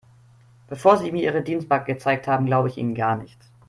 Bevor Sie mir Ihre Dienstmarke gezeigt haben, glaube ich Ihnen gar nichts.